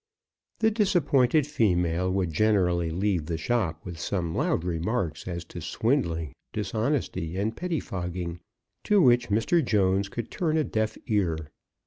The disappointed female would generally leave the shop with some loud remarks as to swindling, dishonesty, and pettifogging, to which Mr. Jones could turn a deaf ear.